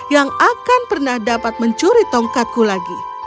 yang akan pernah dapat mencuri tongkatku lagi